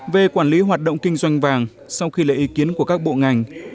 về quản lý hoạt động kinh doanh vàng sau khi lệ ý kiến của các bộ ngành